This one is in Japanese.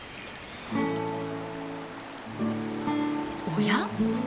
おや？